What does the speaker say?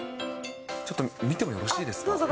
ちょっと見てもよろしいです